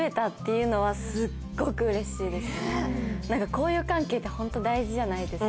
交友関係ってホント大事じゃないですか。